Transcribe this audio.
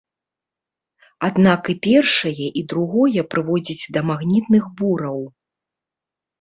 Аднак і першае, і другое прыводзіць да магнітных бураў.